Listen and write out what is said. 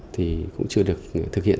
thì cũng chưa được thực hiện